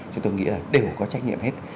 chúng tôi nghĩ là đều có trách nhiệm hết